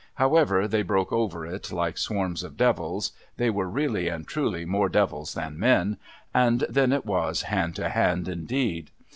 However, they broke over it like swarms of devils — they were, really and truly, more devils than men — and then it was hand to hand, indeed.